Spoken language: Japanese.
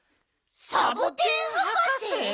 サボテンはかせ？